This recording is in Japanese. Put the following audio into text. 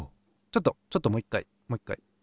ちょっとちょっともういっかいもういっかい。